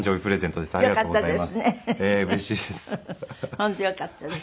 本当よかったです。